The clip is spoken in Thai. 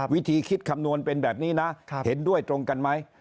วิธีคิดคำนวณเป็นแบบนี้นะเห็นด้วยตรงกันไหม